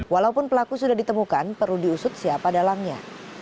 walaupun pelaku sudah ditemukan perlu diusut siapa dalangnya